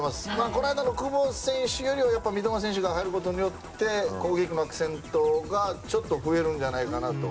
この間の久保選手よりは三笘選手が入ることで攻撃のアクセントが増えるんじゃないかなと。